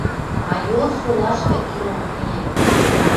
Майор солашкы ирок миӓ.